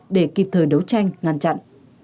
để kịp thời đấu tranh ngăn chặn